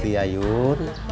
terima kasih ayun